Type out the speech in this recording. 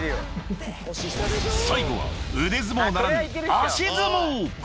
最後は腕相撲ならぬ、足相撲。